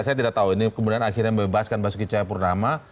saya tidak tahu ini kemudian akhirnya membebaskan basuki cahayapurnama